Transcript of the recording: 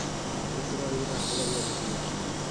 পশুরা ঐরূপে হাঁটু গাড়িয়া বসিবে।